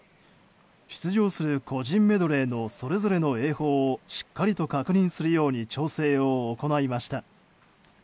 出場する個人メドレーのそれぞれの泳法をしっかりと確認するように調整を行いました。